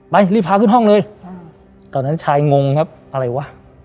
รีบพาขึ้นห้องเลยตอนนั้นชายงงครับอะไรวะ